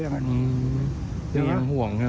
อืมนี่ยังห่วงใช่ไหม